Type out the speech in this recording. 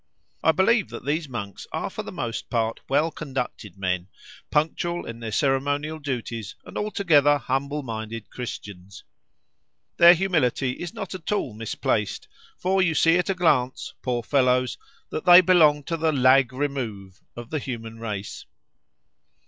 I believe that these monks are for the most part well conducted men, punctual in their ceremonial duties, and altogether humble minded Christians. Their humility is not at all misplaced, for you see at a glance (poor fellows!) that they belong to the lag remove of the human race.